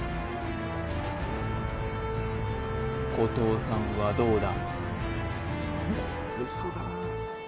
古藤さんはどうだ？